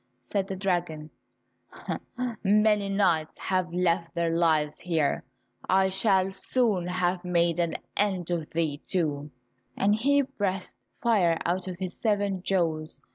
Said the dragon, "Many knights have left their lives here, I shall soon have made an end of thee too," and he breathed fire out of seven jaws.